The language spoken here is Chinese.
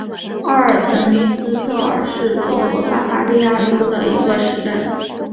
阿尔滕明斯特尔是德国巴伐利亚州的一个市镇。